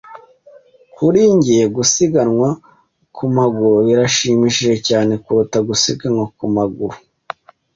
Kuri njye, gusiganwa ku maguru birashimishije cyane kuruta gusiganwa ku maguru.